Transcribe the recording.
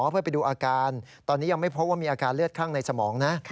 เพื่อไปดูอาการตอนนี้ยังไม่พบว่ามีอาการเลือดข้างในสมองนะ